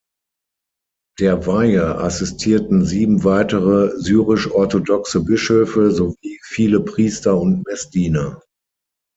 Der Weihe assistierten sieben weitere syrisch-orthodoxe Bischöfe sowie viele Priester und Messdiener.